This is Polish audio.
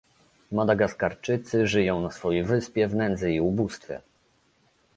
Madagaskarczycy żyją na swojej wyspie w nędzy i ubóstwie